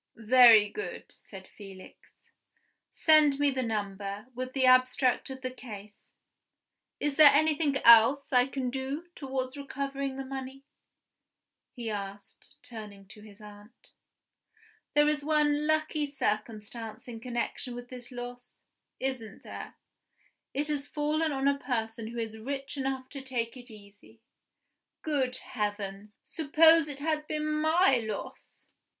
"Very good," said Felix. "Send me the number, with the abstract of the case. Is there anything else I can do towards recovering the money?" he asked, turning to his aunt. "There is one lucky circumstance in connection with this loss isn't there? It has fallen on a person who is rich enough to take it easy. Good heavens! suppose it had been my loss!"